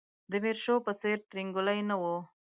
د میرشو په څېر ترینګلی نه و.